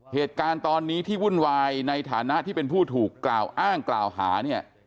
เหตุการณ์ตอนนี้ที่วุ่นวายในฐานะที่เป็นผู้ถูกกล่าวอ้างกล่าวหาเนี่ย